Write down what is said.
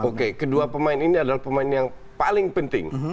oke kedua pemain ini adalah pemain yang paling penting